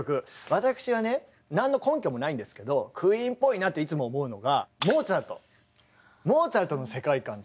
私はね何の根拠もないんですけどクイーンっぽいなっていつも思うのがモーツァルト。